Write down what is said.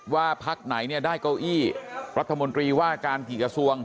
พักไหนเนี่ยได้เก้าอี้รัฐมนตรีว่าการกี่กระทรวง